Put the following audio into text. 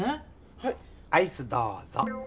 はいアイスどうぞ！